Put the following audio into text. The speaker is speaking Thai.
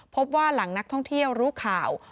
พบว่าหลังนักท่องเที่ยวรู้ข่าว